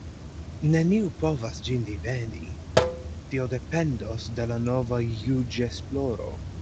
Neniu povas ĝin diveni: tio dependos de la nova juĝesploro.